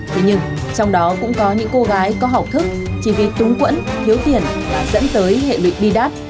thế nhưng trong đó cũng có những cô gái có học thức chi viết túng quẫn thiếu tiền và dẫn tới hệ lực đi đáp